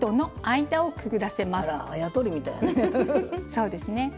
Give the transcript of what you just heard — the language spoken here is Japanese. そうですね。